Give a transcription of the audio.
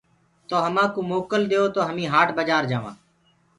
اور همآ ڪو موڪل ديئو تو همي هآٽ بآجآر جآوانٚ۔